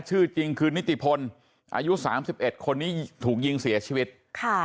ชื่อจริงคือนิติพลอายุสามสิบเอ็ดคนนี้ถูกยิงเสียชีวิตค่ะ